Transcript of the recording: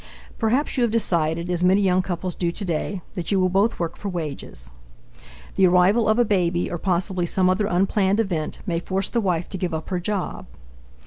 Perhaps you have decided, as many young couples do today, that you will both work for wages. The arrival of a baby or possibly some other unplanned event may force the wife to give up her job.